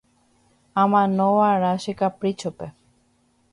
Amanova'erã che kapríchope